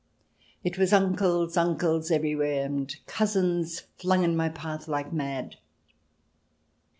" It was uncles, uncles, everywhere, And cousins flung in my path like mad."